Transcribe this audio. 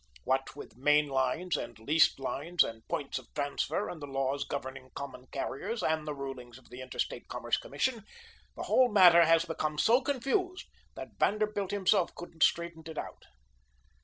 What with main lines, and leased lines, and points of transfer, and the laws governing common carriers, and the rulings of the Inter State Commerce Commission, the whole matter has become so confused that Vanderbilt himself couldn't straighten it out.